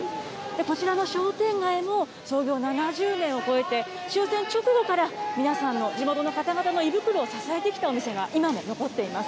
こちらの商店街も創業７０年を超えて、終戦直後から皆さんの地元の方々の胃袋を支えてきたお店が、今も残っています。